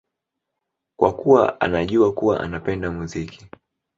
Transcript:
kwa kuwa anajua kuwa anapenda muziki